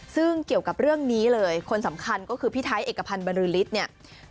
ซึ่งเกี่ยวกับเรื่องนี้เลยคนสำคัญก็คือพี่ไท้เอกพันธ์บริษัท